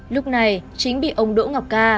lúc này chính bị ông đỗ ngọc ca